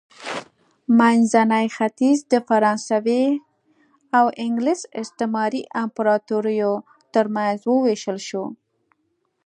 منځنی ختیځ د فرانسوي او انګلیس استعماري امپراتوریو ترمنځ ووېشل شو.